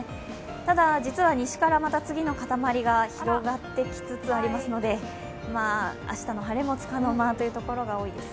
ただ、実は西からまた次の塊が広がってきつつありますので明日の晴れもつかの間の所が多いです。